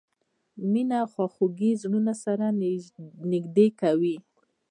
مینه او خواخوږي زړونه سره نږدې کوي.